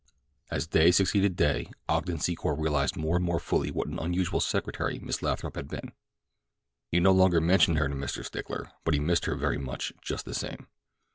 As day succeeded day Ogden Secor realized more and more fully what an unusual secretary Miss Lathrop had been. He no longer mentioned her to Mr. Stickler, but he missed her very much, just the same.